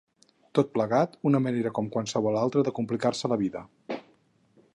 Tot plegat, una manera com qualsevol altra de complicar-se la vida.